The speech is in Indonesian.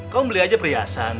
kamu beli aja perhiasan